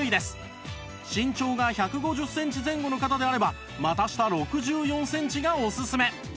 身長が１５０センチ前後の方であれば股下６４センチがおすすめ